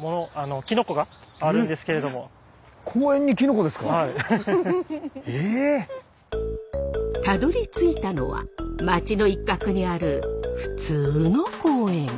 こちらのたどりついたのは町の一角にある普通の公園。